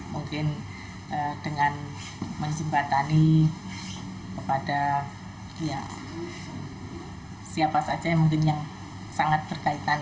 mungkin dengan menjembatani kepada siapa saja mungkin yang sangat berkaitan